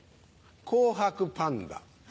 紅白パンダ。